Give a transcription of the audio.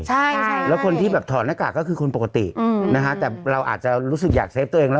ใช่ใช่แล้วคนที่แบบถอดหน้ากากก็คือคนปกติอืมนะฮะแต่เราอาจจะรู้สึกอยากเฟฟตัวเองแล้ว